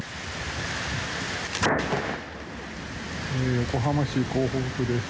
横浜市港北区です。